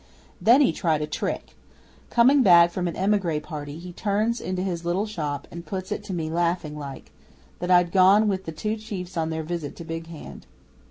Then he tried a trick. Coming back from an emigre party he turns into his little shop and puts it to me, laughing like, that I'd gone with the two chiefs on their visit to Big Hand.